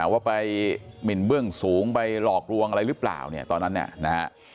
ว่าไปหมินเบื้องสูงไปหลอกรวงอะไรหรือเปล่าตอนนั้น